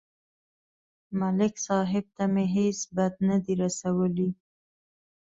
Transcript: ملک صاحب ته مې هېڅ بد نه دي رسولي